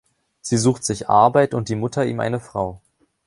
Sie sucht sich Arbeit, und die Mutter ihm eine Frau.